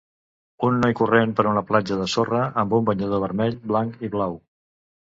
Un noi corrent per una platja de sorra amb un banyador vermell, blanc i blau.